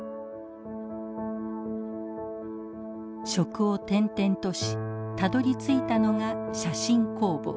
職を転々としたどりついたのが写真工房。